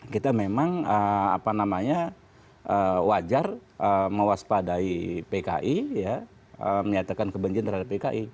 kita memang wajar mewaspadai pki menyatakan kebencian terhadap pki